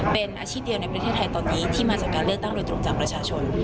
เป็นอาชีพเดียวในประเทศไทยตอนนี้ที่มาจากการเลือกตั้งโดยตรงจากประชาชน